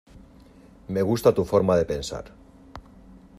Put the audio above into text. Me gusta tu forma de pensar.